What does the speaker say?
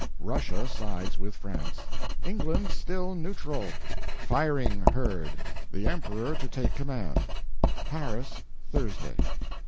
RUSSIA SIDES WITH FRANCE. ENGLAND STILL NEUTRAL! FIRING HEARD! THE EMPEROR TO TAKE COMMAND. PARIS, Thursday.